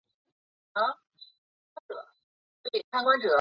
负极是由发电机与电池组的正极接地而实现的。